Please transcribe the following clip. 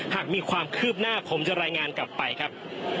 หากมีความคืบหน้าผมจะรายงานกลับไปครับ